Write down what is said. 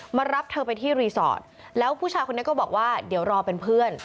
มารับเธอไปที่รีสอร์ทแล้วผู้ชายคนนี้ก็บอกว่าเดี๋ยวรอเป็นเพื่อน